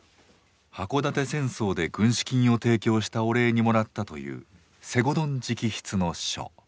箱館戦争で軍資金を提供したお礼にもらったという西郷どん直筆の書。